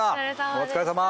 お疲れさま。